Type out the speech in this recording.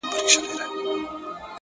چا ویل دا چي’ ژوندون آسان دی’